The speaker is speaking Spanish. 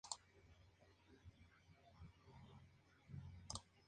A este concilio no asistieron obispos de la Narbonense y Tarraconense.